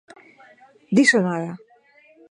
Diso nada!